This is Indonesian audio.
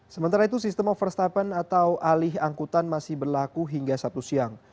sementara itu sistem overstafen atau alih angkutan masih berlaku hingga sabtu siang